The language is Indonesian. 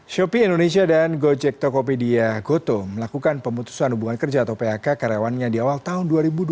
shopee indonesia dan gojek tokopedia goto melakukan pemutusan hubungan kerja atau phk karyawannya di awal tahun dua ribu dua puluh